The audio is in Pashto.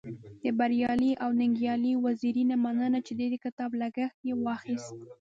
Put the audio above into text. د بريالي او ننګيالي وزيري نه مننه چی د دې کتاب لګښت يې واخست.